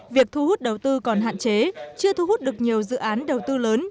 việc thu hút đầu tư còn hạn chế chưa thu hút được nhiều dự án đầu tư lớn